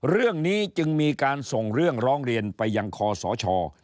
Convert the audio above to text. เรื่องนี้จึงมีการส่งเรื่องร้องเรียนไปยังคอสช